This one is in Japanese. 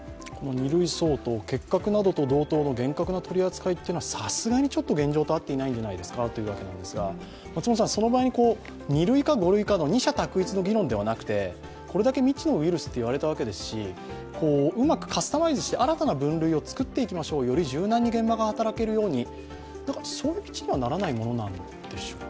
２類相当、結核などと同等の厳格な取り扱いというのは、さすがにちょっと現状と合っていないんじゃないですかというわけですがその場合に２類か５類かの二者択一の議論ではなくてこれだけ未知のウイルスといわれたわけですし、うまくカスタマイズして新たな分類を作っていきましょう、より柔軟に現場が働けるようにそういう道にはならないものなんでしょうか？